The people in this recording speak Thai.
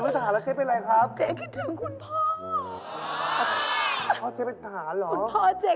แต่ตอนนี้ท่าน